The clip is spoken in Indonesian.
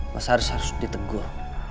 mas haris harus ditegur